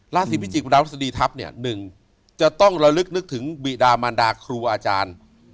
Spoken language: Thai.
ราศีพิจิกดาวพฤษฎีทัพเนี่ย๑จะต้องระลึกนึกถึงบิดามันดาครูอาจารย์